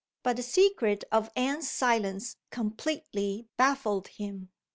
But the secret of Anne's silence completely baffled him.